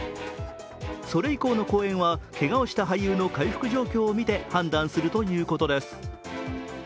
それ以降の公演はけがをした俳優の回復状況をみて判断するということです。